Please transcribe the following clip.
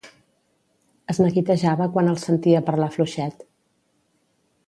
Es neguitejava quan els sentia parlar fluixet.